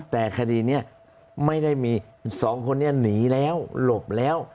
แต่คดีนี้ไม่ได้มีสองคนนี้หนีแล้วหลบแล้ว